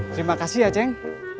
terima kasih ya ceng